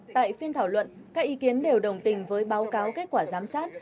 tại phiên thảo luận các ý kiến đều đồng tình với báo cáo kết quả giám sát